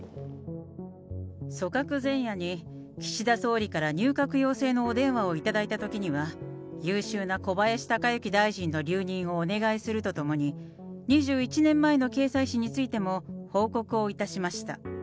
組閣前夜に岸田総理から入閣要請のお電話を頂いたときには、優秀な小林鷹之大臣の留任をお願いするとともに、２１年前の掲載誌についても報告をいたしました。